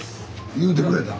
言うてくれたん？